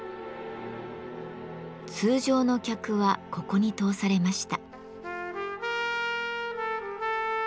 通常の客はここに通されました。